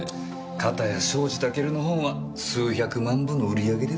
かたや庄司タケルの本は数百万部の売り上げですよ。